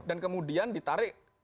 dan kemudian ditarik